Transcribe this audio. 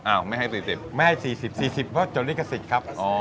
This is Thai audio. อ้าวไม่ให้สี่สิบไม่ให้สี่สิบสี่สิบเพราะจนลิขสิตครับอ๋อ